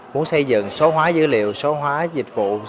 muốn xây dựng số hóa dữ liệu số hóa dịch vụ